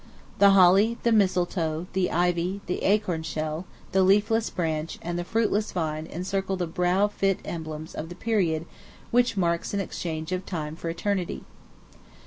The holly, the mistletoe, the ivy, the acorn shell, the leafless branch, and the fruitless vine encircle the brow fit emblems of the period which marks an exchange of time for eternity.